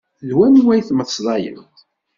D wanwa tmeslayeḍ?